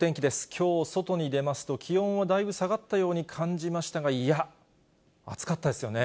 きょう外に出ますと、気温はだいぶ下がったように感じましたが、いや、暑かったですよね。